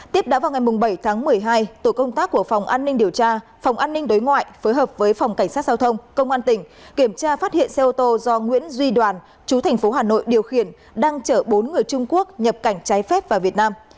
tiếp đó vào ngày bảy tháng một mươi hai tổ công tác của phòng an ninh điều tra phòng an ninh đối ngoại phối hợp với phòng cảnh sát giao thông công an tỉnh kiểm tra phát hiện xe ô tô do nguyễn duy đoàn chú thành phố hà nội điều khiển đang chở bốn người trung quốc nhập cảnh trái phép vào việt nam